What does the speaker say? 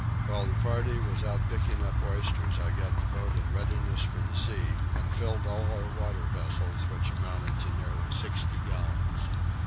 While the party was out picking up oysters I got the boat in readiness for sea, and filled all our water vessels, which amounted to nearly 60 gallons.